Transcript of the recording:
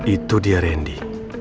itu dia randy